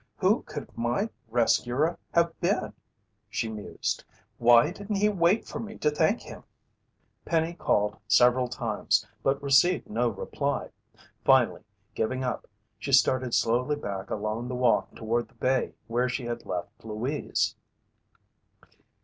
"Who could my rescuer have been?" she mused. "Why didn't he wait for me to thank him?" Penny called several times but received no reply. Finally, giving up, she started slowly back along the walk toward the bay where she had left Louise.